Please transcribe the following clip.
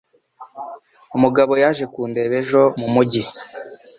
Umugabo yaje kundeba ejo mu mujyi